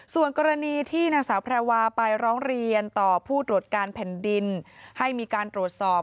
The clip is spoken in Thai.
ส่วนกรณีที่นางสาวแพรวาไปร้องเรียนต่อผู้ตรวจการแผ่นดินให้มีการตรวจสอบ